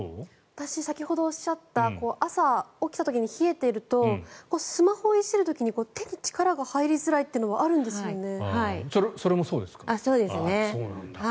私、先ほどおっしゃった朝、起きた時に冷えているとスマホをいじる時に手に力が入りづらいというのはあるんですよね。